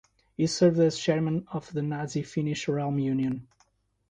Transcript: He served as chairman of the nazi Finnish Realm Union.